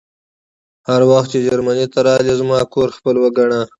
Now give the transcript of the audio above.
هر وخت چې جرمني ته راغلې زما کور خپل وګڼه